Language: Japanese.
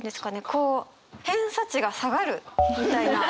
こう偏差値が下がるみたいな。